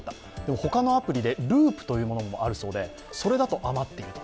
他のアプリでループというのもあるそうでそれだと余っていると。